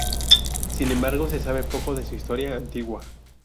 Sin embargo, se sabe poco de su historia antigua.